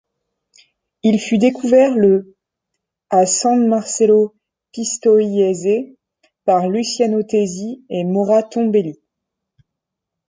Il fut découvert le à San Marcello Pistoiese par Luciano Tesi et Maura Tombelli.